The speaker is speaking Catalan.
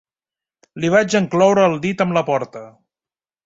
Li vaig encloure el dit amb la porta.